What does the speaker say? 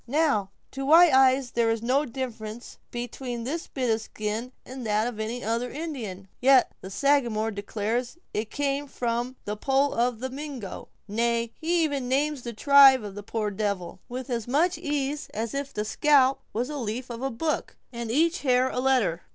Now, to white eyes there is no difference between this bit of skin and that of any other Indian, and yet the Sagamore declares it came from the poll of a Mingo; nay, he even names the tribe of the poor devil, with as much ease as if the scalp was the leaf of a book, and each hair a letter.